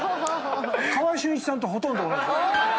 川合俊一さんとほとんど同じ。